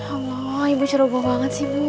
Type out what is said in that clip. oh ibu ceroboh banget sih bu